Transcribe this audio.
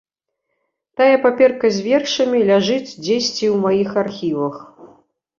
Тая паперка з вершамі ляжыць дзесьці ў маіх архівах.